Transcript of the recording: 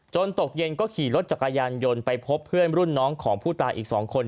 ตกเย็นก็ขี่รถจักรยานยนต์ไปพบเพื่อนรุ่นน้องของผู้ตายอีก๒คน